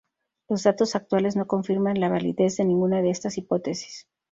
Los datos actuales no confirman la validez de ninguna de estas hipótesis.